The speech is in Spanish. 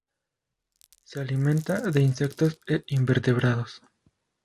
Se alimenta de insectos e invertebrados.